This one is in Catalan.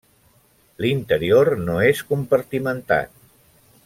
L'interior no és compartimentat.